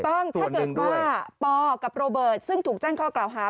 ถ้าเกิดว่าปกับโรเบิร์ตซึ่งถูกแจ้งข้อกล่าวหา